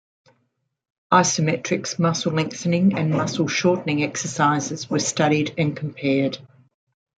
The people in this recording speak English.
Isometrics, muscle lengthening and muscle shortening exercises were studied and compared.